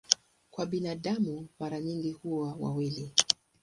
Kwa binadamu mara nyingi huwa wawili.